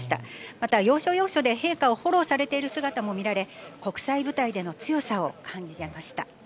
また、要所要所で陛下をフォローされている姿も見られ、国際舞台での強さを感じました。